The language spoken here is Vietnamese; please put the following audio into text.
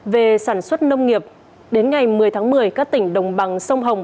về sản xuất nông nghiệp đến ngày một mươi tháng một mươi các tỉnh đồng bằng sông hồng